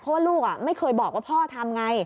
เพราะว่าลูกไม่เคยบอกว่าพ่อทำไง